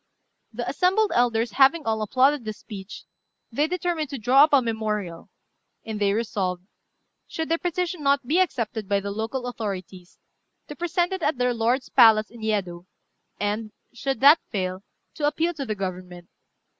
The assembled elders having all applauded this speech, they determined to draw up a memorial; and they resolved, should their petition not be accepted by the local authorities, to present it at their lord's palace in Yedo, and, should that fail, to appeal to the Government.